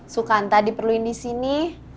sukanta diperluin di sini